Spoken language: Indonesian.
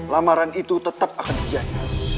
lamaran itu tetap akan terjadi